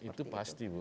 ya itu pasti bu